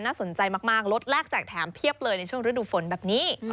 สนใจมากรถแรกแจกแถมเพียบเลยในช่วงฤดูฝนแบบนี้